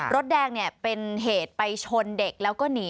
รถแดงเนี่ยเป็นเหตุไปชนเด็กแล้วก็หนี